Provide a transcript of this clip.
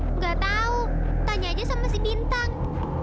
tidak tahu tanya aja sama bintang